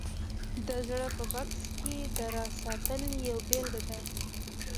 د زړه په بکس کې د راز ساتل یوه بېلګه ده